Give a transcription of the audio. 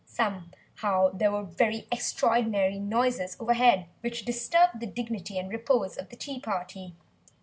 Somehow there were very extraordinary noises over head, which disturbed the dignity and repose of the tea party.